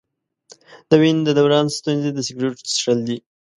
د وینې د دوران ستونزې د سګرټو څښل دي.